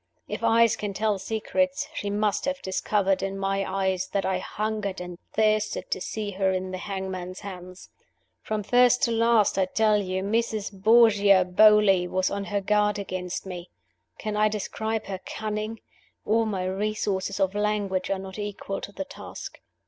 If eyes can tell secrets, she must have discovered, in my eyes, that I hungered and thirsted to see her in the hangman's hands. From first to last, I tell you, Mrs. Borgia Beauly was on her guard against me. Can I describe her cunning? All my resources of language are not equal to the task.